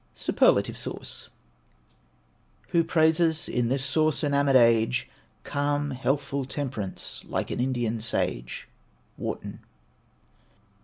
SUPERLATIVE SAUCE. Who praises, in this sauce enamor'd age, Calm, healthful temperance, like an Indian sage? WARTON.